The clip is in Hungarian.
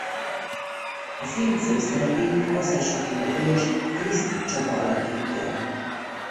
A film főszerepét a Kaszás Attila-díjas Krisztik Csaba alakítja.